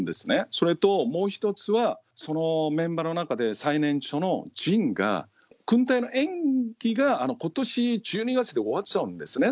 それと、もう一つは、メンバーの中で最年長のジンが、軍隊の延期がことし１２月で終わっちゃうんですね。